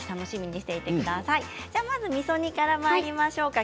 まずは、みそ煮からまいりましょうか。